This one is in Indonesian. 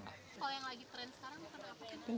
kalau yang lagi tren sekarang